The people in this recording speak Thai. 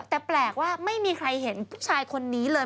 แต่แปลกว่าไม่มีใครเห็นผู้ชายคนนี้เลย